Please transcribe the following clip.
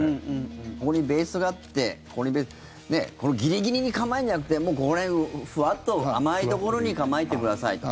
ここにベースがあってギリギリに構えるんじゃなくてもうここら辺、ふわっと甘いところに構えてくださいと。